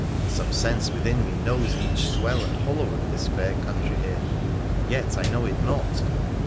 Some sense within me knows each swell and hollow of this fair country here, and yet I know it not.